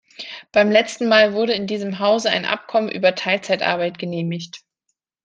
Beim letzten Mal wurde in diesem Hause ein Abkommen über Teilzeitarbeit genehmigt.